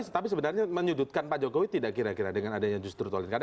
tapi sebenarnya menyudutkan pak jokowi tidak kira kira dengan adanya justru tol selamat datang di tol